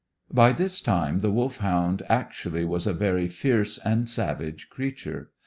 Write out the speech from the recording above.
By this time the Wolfhound actually was a very fierce and savage creature.